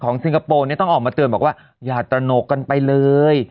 สิงคโปร์เนี่ยต้องออกมาเตือนบอกว่าอย่าตระหนกกันไปเลย